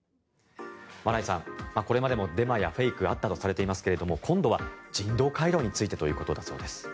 マライさん、これまでもデマやフェイクはあったとされていますが今度は人道回廊についてということだそうです。